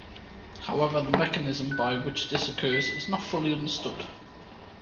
However the mechanism by which this occurs is not fully understood.